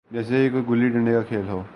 جیسے یہ کوئی گلی ڈنڈے کا کھیل ہو۔